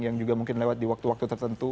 yang juga mungkin lewat di waktu waktu tertentu